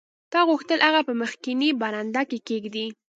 تا غوښتل هغه په مخکینۍ برنډه کې کیږدې